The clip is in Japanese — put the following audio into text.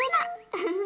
ウフフ。